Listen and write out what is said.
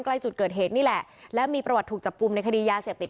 ใกล้จุดเกิดเหตุนี่แหละแล้วมีประวัติถูกจับกลุ่มในคดียาเสพติด